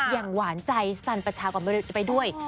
อย่างหวานใจสั้นประชากรไปด้วย